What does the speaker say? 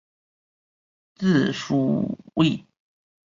字叔胄。